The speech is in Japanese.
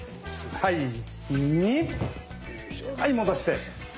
はい戻して。